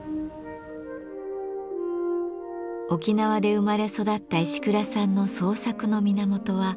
沖縄で生まれ育った石倉さんの創作の源は身近な自然です。